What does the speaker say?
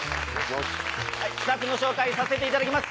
スタッフの紹介させていただきます。